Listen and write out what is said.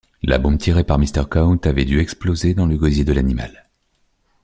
La bombe tirée par Mr Count avait dû exploser dans le gosier de l'animal.